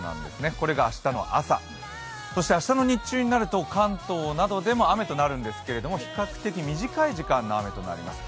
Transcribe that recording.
これが明日の朝、そして明日の日中になると関東などでも雨となるんですけど比較的短い時間の雨になります。